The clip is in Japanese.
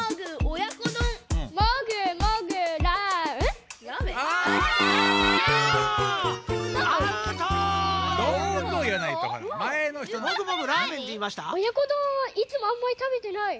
親子丼はいつもあんまりたべてない。